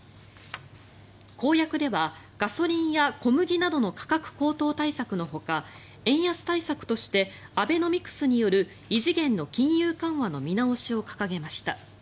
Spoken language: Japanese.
公約ではガソリンや小麦などの価格高騰対策のほか円安対策としてアベノミクスによる異次元の金融緩和の見直しを掲げました。